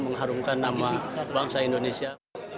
mengharumkan nama bangsa indonesia